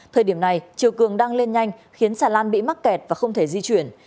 thời điểm này chiều cường đang lên nhanh khiến xà lan bị mắc kẹt và không thể di chuyển